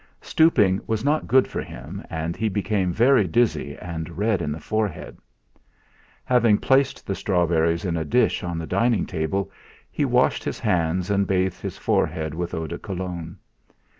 Stooping was not good for him, and he became very dizzy and red in the forehead. Having placed the strawberries in a dish on the dining table, he washed his hands and bathed his forehead with eau de Cologne.